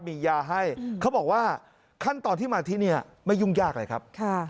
มียาให้เขาบอกว่าขั้นตอนที่มาที่นี่ไม่ยุ่งยากเลยครับ